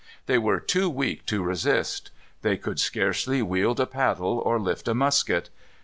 They were too weak to resist. They could scarcely wield a paddle or lift a musket.